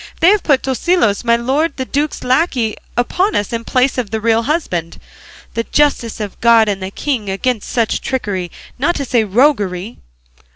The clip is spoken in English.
They have put Tosilos, my lord the duke's lacquey, upon us in place of the real husband. The justice of God and the king against such trickery, not to say roguery!"